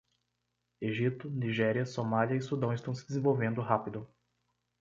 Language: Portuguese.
Egito, Nigéria, Somália e Sudão estão se desenvolvendo rápido